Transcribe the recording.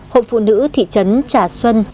hộp phụ nữ thị trấn trà sơn